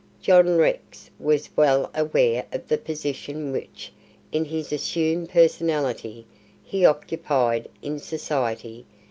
John Rex was well aware of the position which, in his assumed personality, he occupied in society.